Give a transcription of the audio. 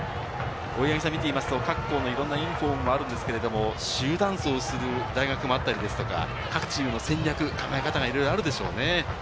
見ていますと、各校のいろんなユニホームがありますが、集団走をする大学もあったりですとか、各チームの戦略、考え方がいろいろあるでしょうね。